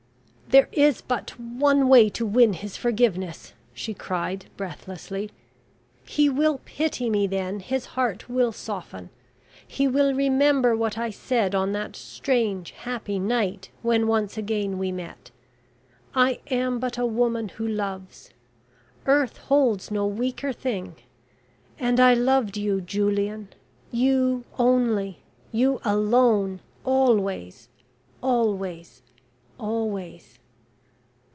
"There is but one way to win his forgiveness," she cried breathlessly. "He will pity me then... his heart will soften... he will remember what I said on that strange happy night when once again we met... I am but a woman who loves. Earth holds no weaker thing... and I loved you, Julian... you only you alone! always always always.